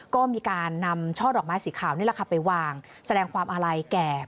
ก็มีการนำช่อหลอกไม้สีขาวนี่ละค่ะไปวางแสดงความอะไลแก่ผู้เสียชีวิต